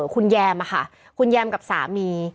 คุณแยมค่ะคุณแยมกับสามี